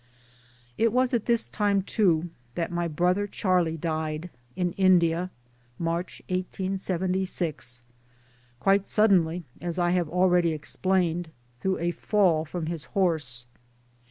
It was at this time too that my brother Charlie died in India (March 1876) quite suddenly, 'as I have already explained 1 , through a fall from his horse.